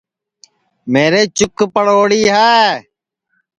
میرے چُک پڑوڑی ہے